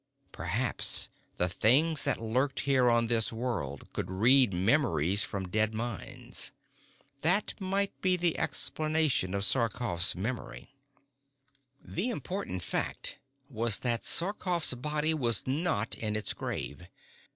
Perhaps the things that lurked here on this world could read memories from dead minds. That might be the explanation of Sarkoff's memory. The important fact was that Sarkoff's body was not in its grave.